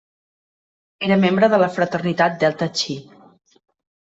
Era membre de la fraternitat Delta Chi.